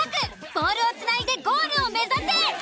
ボールをつないでゴールを目指せ！